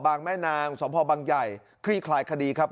แม่นางสมพบังใหญ่คลี่คลายคดีครับ